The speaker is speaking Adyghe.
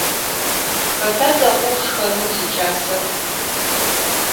Xeta değou şşxeneu ziç'aser?